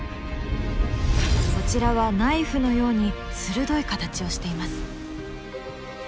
こちらはナイフのように鋭い形をしています。